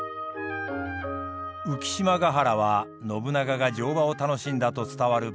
浮島ヶ原は信長が乗馬を楽しんだと伝わる場所です。